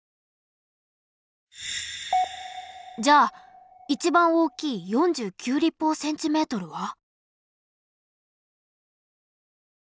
じゃあ一番大きい４９立方センチメートルは？